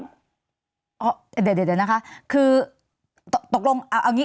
อ๋อเดี๋ยวเดี๋ยวเดี๋ยวนะคะคือตกลงเอาอย่างงี้